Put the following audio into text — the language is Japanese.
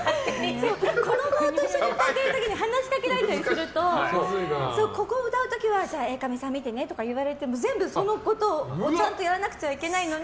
子供と一緒に歌っている時に話しかけられるとここを歌う時はＡカメさん見てねとか言われても全部そのことをやらなくちゃいけないのに。